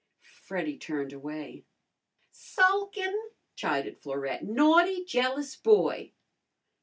Freddy turned away. "Sulkin'!" chided Florette. "Naughty, jealous boy!"